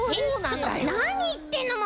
ちょっとなにいってんのもう！